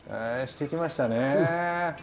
してきましたね。